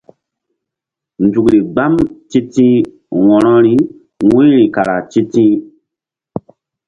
Nzukri mgbam ti̧ti̧h wo̧rori wu̧yri kara ti̧ti̧h.